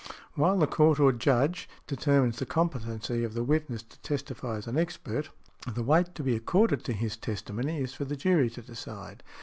While the Court, or Judge, determines the competency of the witness to testify as an expert, the weight to be accorded to his testimony is for the jury to decide.